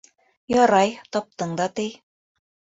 Ярай, таптың да ти...